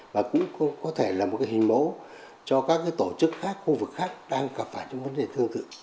và cũng có thể là một hình mẫu cho các tổ chức khác khu vực khác đang gặp phải những vấn đề tương tự